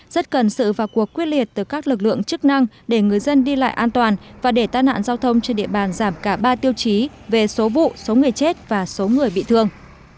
rất cần sự và cuộc quyết liệt từ các lực lượng chức năng để người dân đi lại an toàn và để tai nạn giao thông trên địa bàn giảm cả ba tiêu chí về số vụ số người chết và số người bị thương